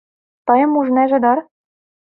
Тыйым ужнеже дыр?